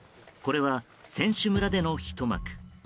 これは選手村でのひと幕。